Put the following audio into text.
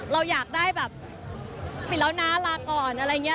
เราอยากได้แบบปิดแล้วนะลาก่อนอะไรอย่างนี้